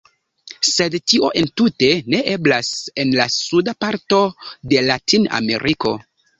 Sed tio entute ne eblas en la suda parto de Latin-Ameriko.